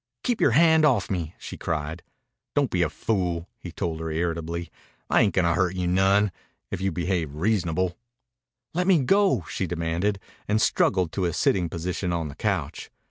"Keep your hand off me!" she cried. "Don't be a fool," he told her irritably. "I ain't gonna hurt you none if you behave reasonable:" "Let me go," she demanded, and struggled to a sitting position on the couch.